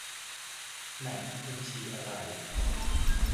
ไหน บัญชีอะไร